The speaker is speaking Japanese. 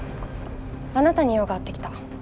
あなたに用があって来た。